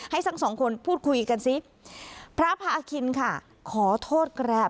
ให้สัก๒คนพูดคุยกันซิพระพระอคิณค่ะขอโทษกร๊าบ